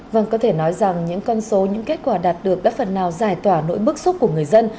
vâng có thể nói rằng những con số những kết quả đạt được đã phần nào giải tỏa nỗi bức xúc của người dân